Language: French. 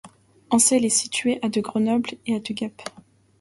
Ancelle est située à de Grenoble et à de Gap.